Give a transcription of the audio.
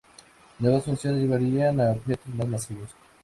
Nuevas fusiones llevarían a objetos más masivos.